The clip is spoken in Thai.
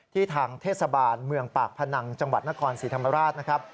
ทางเทศบาลเมืองปากพนังจังหวัดนครศรีธรรมราชนะครับ